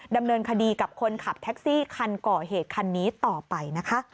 ดำเนินคดีกับคนขับแท็กซี่คันก่อเหตุคันนี้ต่อไปนะคะ